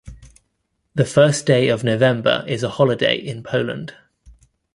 The first day of November is a holiday in Poland.